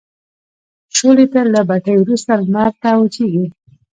شولې له بټۍ وروسته لمر ته وچیږي.